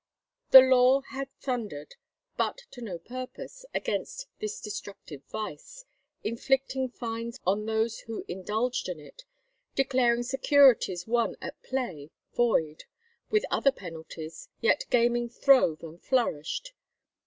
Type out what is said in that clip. The law had thundered, but to no purpose, against "this destructive vice," inflicting fines on those who indulged in it, declaring securities won at play void, with other penalties, yet gaming throve and flourished.